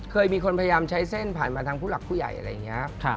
เคยมีคนพยายามใช้เส้นผ่านมาทางผู้หลักผู้ใหญ่อะไรอย่างนี้